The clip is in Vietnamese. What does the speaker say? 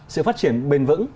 sự phát triển bền vững